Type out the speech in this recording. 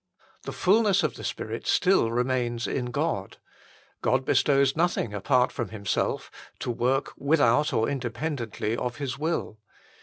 The ful ness of the Spirit still remains in God. God bestows nothing apart from Himself, to work without or independently of His will.